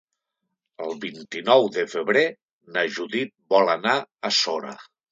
El vint-i-nou de febrer na Judit vol anar a Sora.